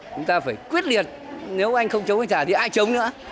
chúng ta phải quyết liệt nếu anh không chống hàng giả thì ai chống nữa